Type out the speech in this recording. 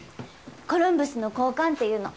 コロンブスの交換っていうの。